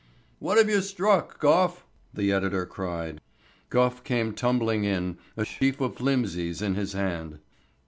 "What have you struck, Gough?" the editor cried. Gough came tumbling in, a sheaf of flimsies in his hand.